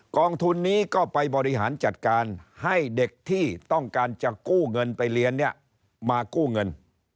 กองทุนนี้ก็ไปบริหารจัดการให้เด็กที่ต้องการจะกู้เงินไปเรียนเนี่ยมากู้เงิน